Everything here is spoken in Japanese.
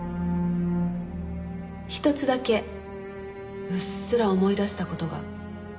ひとつだけうっすら思い出した事が。